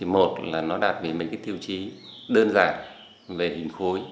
một là nó đạt được mấy cái tiêu chí đơn giản về hình khối